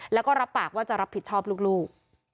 แล้วก็รับปากว่าจะรับผิดชอบลูก